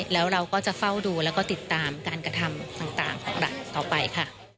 แล้วเราก็จะเฝ้าดูแล้วก็ติดตามการกระทำต่างของเราต่อไปค่ะ